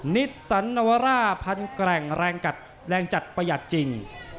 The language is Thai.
นิสสันวราภัณฑ์แกร่งแรงจัดประหยัดจริง